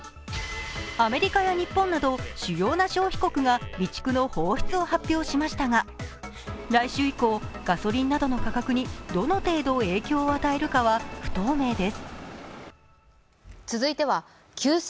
アメリカや日本など主要な消費国が備蓄の放出を発表しましたが、来週以降ガソリンなどの価格にどの程度、影響を与えるかは不透明です。